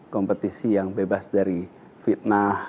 kompetisi yang bebas dari fitnah